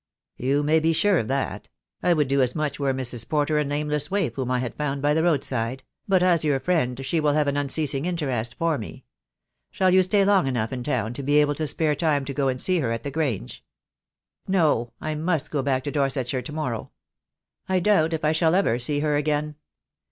"You may be sure of that. I would do as much were Mrs. Porter a nameless waif whom I had found by the road side; but as your friend she will have an un ceasing interest for me. Shall you stay long enough in town to be able to spare time to go and see her at the Grange?" "No, I must go back to Dorsetshire to morrow. I doubt if I shall ever see her again.